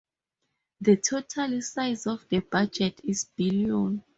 The total size of the budget is billion.